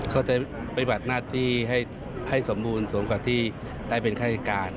เขาจะปฏิบัติหน้าที่ให้สมบูรณ์สมกว่าที่ได้เป็นฆาติการ